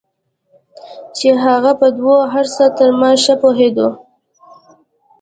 چې هغه په دو هرڅه تر ما ښه پوهېدو.